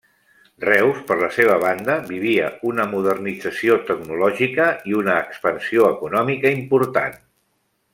Reus, per la seva banda, vivia una modernització tecnològica i una expansió econòmica important.